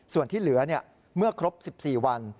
ส่วนที่เหลือเมื่อครบ๑๔วัน